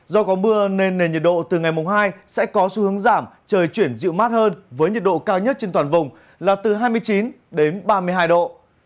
do có mưa nên nền nhiệt độ từ ngày mùng hai sẽ có xu hướng giảm trời chuyển dịu mát hơn với nhiệt độ cao nhất trên toàn vùng là từ hai mươi chín đến ba mươi hai độ